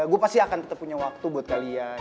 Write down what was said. gue pasti akan tetap punya waktu buat kalian